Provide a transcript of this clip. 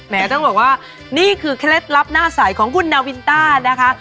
ต้องบอกว่านี่คือเคล็ดลับหน้าใสของคุณนาวินต้านะคะ